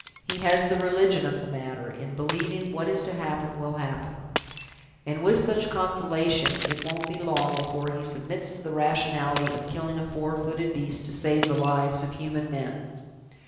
He has the religion of the matter, in believing what is to happen will happen; and with such a consolation, it won't be long afore he submits to the rationality of killing a four footed beast to save the lives of human men.